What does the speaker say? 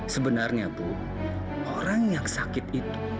sebenarnya bu orang yang sakit itu